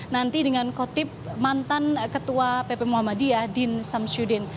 nanti dengan kotip mantan ketua pp muhammadiyah din samsyuddin